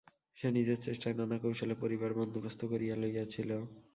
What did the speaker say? সে নিজের চেষ্টায় নানা কৌশলে পড়িবার বন্দোবস্ত করিয়া লইয়াছিল।